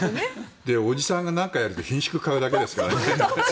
おじさんが何かやるとひんしゅく買うだけですからね。